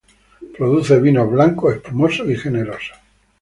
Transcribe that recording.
Produce vinos blancos, espumosos y generosos.